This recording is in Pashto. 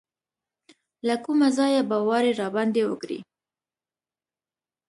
له کومه ځایه به واری راباندې وکړي.